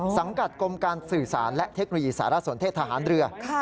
สังกัดกรมการสื่อสารและเทคโนโลยีสารสนเทศทหารเรือ